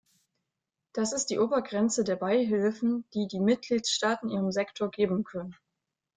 Das ist die Obergrenze der Beihilfen, die die Mitgliedstaaten ihrem Sektor geben können.